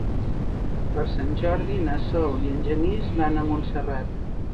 Per Sant Jordi na Sol i en Genís van a Montserrat.